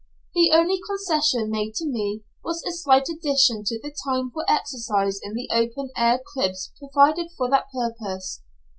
The only concession made to me was a slight addition to the time for exercise in the open air cribs provided for that purpose.